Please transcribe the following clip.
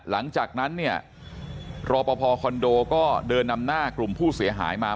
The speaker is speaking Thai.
หลังจากนั้นเนี่ยรอปภคอนโดก็เดินนำหน้ากลุ่มผู้เสียหายมา